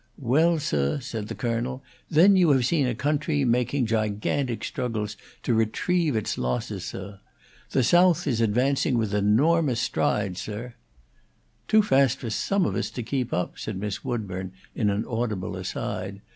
"Well, sir," said the Colonel, "then you have seen a country making gigantic struggles to retrieve its losses, sir. The South is advancing with enormous strides, sir." "Too fast for some of us to keep up," said Miss Woodburn, in an audible aside.